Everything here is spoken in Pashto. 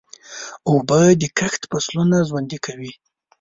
اوبه د کښت فصلونه ژوندي کوي.